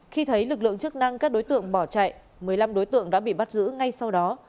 khi thấy lực lượng chức năng các đối tượng bỏ chạy một mươi năm đối tượng đã bị bắt giữ ngay sau đó